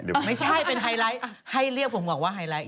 ไม่ใช่เป็นไฮไลท์ให้เรียกผมบอกว่าไฮไลท์